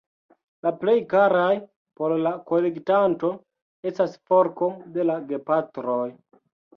La plej karaj por la kolektanto estas forko de la gepatroj.